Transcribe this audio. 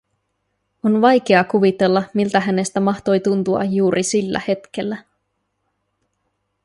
On vaikea kuvitella, miltä hänestä mahtoi tuntua juuri sillä hetkellä.